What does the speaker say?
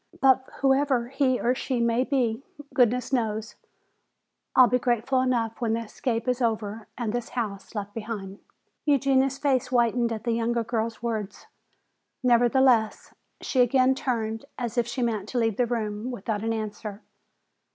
But whoever he or she may be, goodness knows, I'll be grateful enough when the escape is over and this house left behind!" Eugenia's face whitened at the younger girl's words. Nevertheless, she again turned as if she meant to leave the room without an answer.